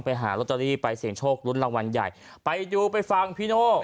ไปหาลอตเตอรี่ไปเสี่ยงโชคลุ้นรางวัลใหญ่ไปดูไปฟังพี่โน่